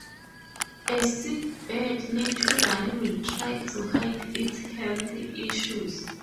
A sick bird naturally will try to hide its health issues.